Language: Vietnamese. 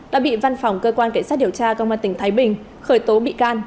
đã bị văn phòng cơ quan cảnh sát điều tra công an tỉnh thái bình khởi tố bị can